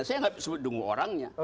saya nggak sebut nunggu orangnya